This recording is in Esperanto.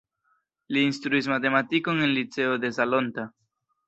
Li instruis matematikon en liceo de Salonta.